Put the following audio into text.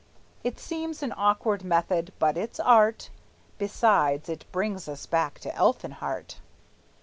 It seems an awkward method, but it's art; Besides, it brings us back to Elfinhart.